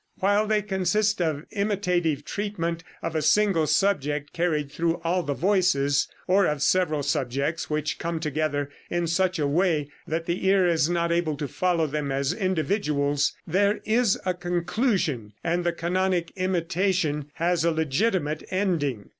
While they consist of imitative treatment of a single subject carried through all the voices, or of several subjects which come together in such a way that the ear is not able to follow them as individuals, there is a conclusion, and the canonic imitation has a legitimate ending.